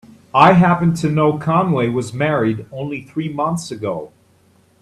I happen to know Conway was married only three months ago.